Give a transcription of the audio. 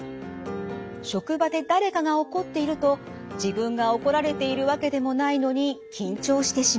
職場で誰かが怒っていると自分が怒られているわけでもないのに緊張してしまう。